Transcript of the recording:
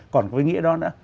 còn có nghĩa đó nữa